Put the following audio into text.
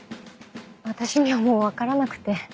私にはもう分からなくて。